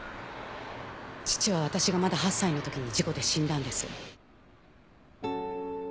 父は私がまだ８歳の時に事故で死んだんです。